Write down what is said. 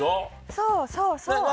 そうそうそう。何？